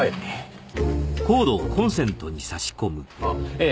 ええ。